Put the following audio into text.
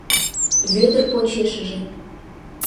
Вӧдыр почешыже.